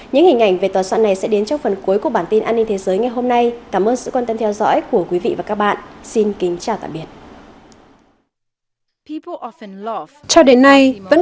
những hình ảnh về tòa soạn này sẽ đến trong phần cuối của bản tin an ninh thế giới ngày hôm nay cảm ơn sự quan tâm theo dõi của quý vị và các bạn xin kính chào tạm biệt